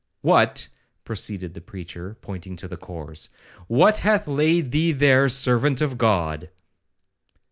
'What,' proceeded the preacher, pointing to the corse, 'what hath laid thee there, servant of God?'